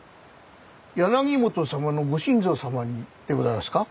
柳本様のご新造様にでございますか？